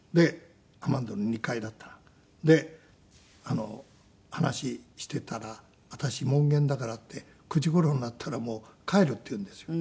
アマンドの２階だったな。で話していたら「私門限だから」って９時頃になったら「もう帰る」って言うんですよ。